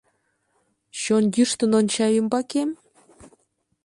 Чон йӱштын онча ӱмбакем?